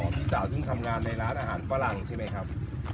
พี่สาวซึ่งทำงานในร้านอาหารฝรั่งใช่ไหมครับ